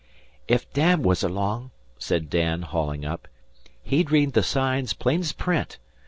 "Ef Dad was along," said Dan, hauling up, "he'd read the signs plain's print.